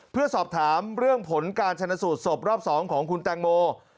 เพื่อสอบถามเรื่องผลการชนะสูตรศพรอบ๒ของคุณแตงโม